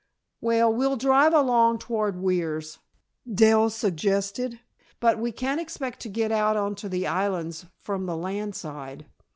"Well, we'll drive along toward Weirs," Dell suggested. "But we can't expect to get out onto the islands from the land side."